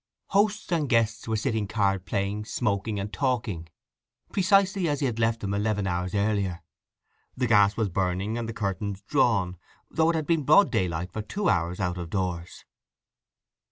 Hosts and guests were sitting card playing, smoking, and talking, precisely as he had left them eleven hours earlier; the gas was burning and the curtains drawn, though it had been broad daylight for two hours out of doors.